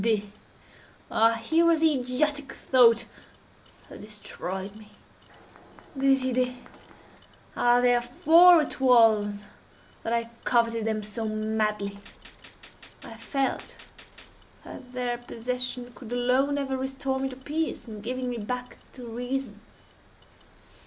Des idées!—ah here was the idiotic thought that destroyed me! Des idées!—ah, therefore it was that I coveted them so madly! I felt that their possession could alone ever restore me to peace, in giving me back to reason.